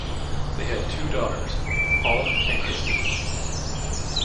They had two daughters, Paula and Christine.